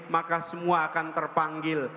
maka semua akan terpanggil